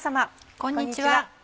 こんにちは。